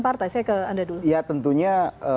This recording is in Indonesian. partai saya ke anda dulu ya tentunya